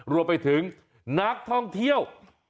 รวมไปถึงนักท่องเที่ยว